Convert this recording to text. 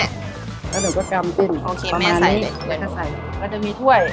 แล้วก็กำเต็มโอเคแม่ใส่เด็กแล้วก็ใส่แล้วจะมีถ้วย